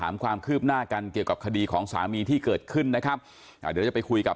มันรุนแรงเกินไปค่ะ